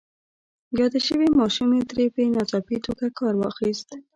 يادې شوې ماشومې ترې په ناڅاپي توګه کار واخيست.